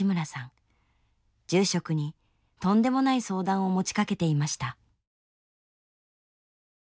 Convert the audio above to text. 住職にとんでもない相談を持ちかけていました